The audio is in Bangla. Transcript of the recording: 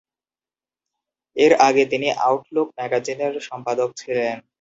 এর আগে তিনি "আউটলুক" ম্যাগাজিনের সম্পাদক ছিলেন।